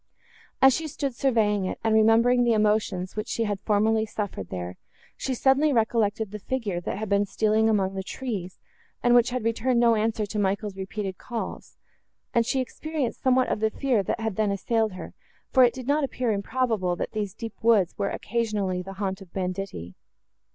As she stood surveying it, and remembering the emotions, which she had formerly suffered there, she suddenly recollected the figure, that had been seen stealing among the trees, and which had returned no answer to Michael's repeated calls; and she experienced somewhat of the fear, that had then assailed her, for it did not appear improbable, that these deep woods were occasionally the haunt of banditti.